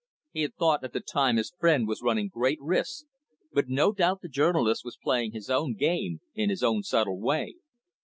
He had thought at the time his friend was running great risks, but no doubt the journalist was playing his own game in his own subtle way.